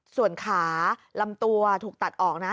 ส่วนขาลำตัวถูกตัดออกนะ